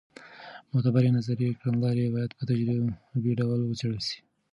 معتبرې نظري کړنلارې باید په تجربي ډول وڅېړل سي.